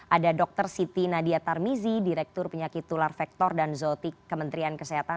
ada dr siti nadia tarmizi direktur penyakit tular vektor dan zotik kementerian kesehatan